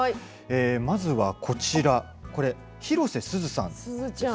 まずはこちら広瀬すずさん。